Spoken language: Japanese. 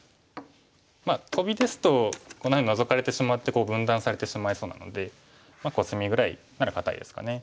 まあトビですとこんなふうにノゾかれてしまって分断されてしまいそうなのでコスミぐらいなら堅いですかね。